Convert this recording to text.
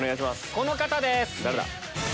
この方です！